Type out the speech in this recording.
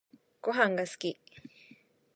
ごはんが好き